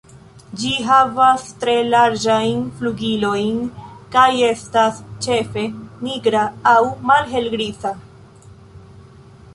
Ĝi havas tre larĝajn flugilojn, kaj estas ĉefe nigra aŭ malhelgriza.